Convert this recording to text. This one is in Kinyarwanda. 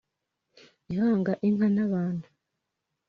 ihanga inka na bantu,